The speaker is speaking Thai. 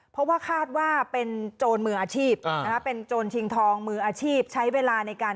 เพราะว่าคาดว่าเป็นโจรมืออาชีพเป็นโจรชิงทองมืออาชีพใช้เวลาในการ